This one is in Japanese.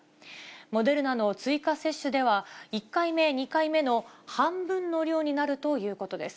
モデルナの追加接種では、１回目、２回目の半分の量になるということです。